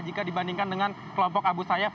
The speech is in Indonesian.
jika dibandingkan dengan kelompok abu sayyaf